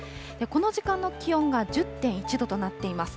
この時間の気温が１０．１度となっています。